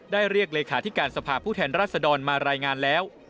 เรียกเลขาธิการสภาพผู้แทนรัศดรมารายงานแล้ว